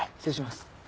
失礼します。